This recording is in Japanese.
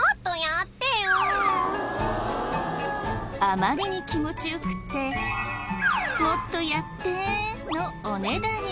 あまりに気持ち良くって「もっとやって」のおねだり。